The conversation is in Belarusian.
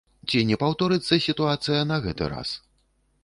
Ці не паўторыцца сітуацыя на гэты раз?